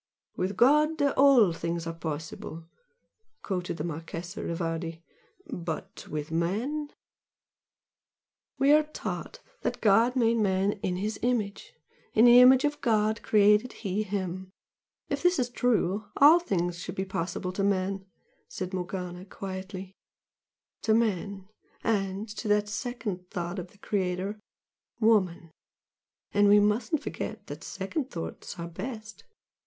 "With God all things are possible!" quoted the Marchese Rivardi "But with man " "We are taught that God made man 'in His image. In the image of God created He him.' If this is true, all things should be possible to man" said Morgana, quietly "To man, and to that second thought of the Creator Woman! And we mustn't forget that second thoughts are best!"